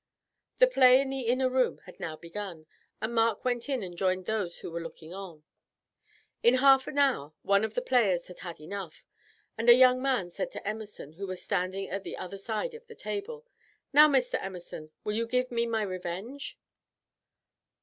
The play in the inner room had now begun, and Mark went in and joined those who were looking on. In half an hour one of the players had had enough, and a young man said to Emerson, who was standing on the other side of the table: "Now, Mr. Emerson, will you give me my revenge?"